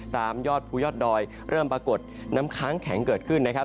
ยอดภูยอดดอยเริ่มปรากฏน้ำค้างแข็งเกิดขึ้นนะครับ